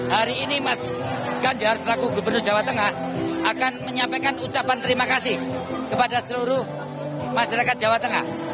hari ini mas ganjar selaku gubernur jawa tengah akan menyampaikan ucapan terima kasih kepada seluruh masyarakat jawa tengah